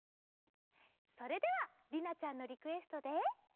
それではりなちゃんのリクエストで。